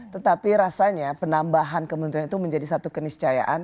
tetapi rasanya penambahan kementerian itu menjadi satu keniscayaan